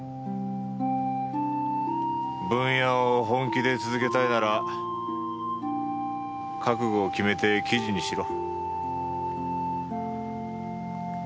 ブンヤを本気で続けたいなら覚悟を決めて記事にしろ。